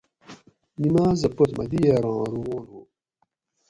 نیماۤزہ پت مہ دیگیراں روون ہُو